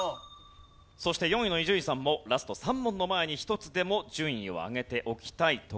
そして４位の伊集院さんもラスト３問の前に１つでも順位を上げておきたいところです。